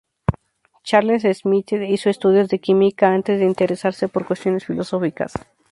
Charles Schmitt hizo estudios de química, antes de interesarse por cuestiones filosóficas.